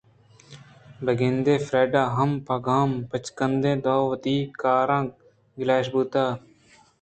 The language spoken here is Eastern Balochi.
بہ گندے فریڈا ہم پہ گم بچکنداِتءُوتی کاراں گلائش بوت